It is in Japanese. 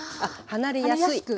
離れやすく。